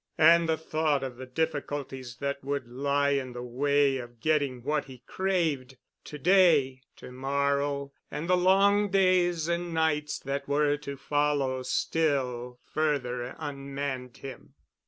And the thought of the difficulties that would lie in the way of getting what he craved, to day, to morrow, and the long days and nights that were to follow still further unmanned him.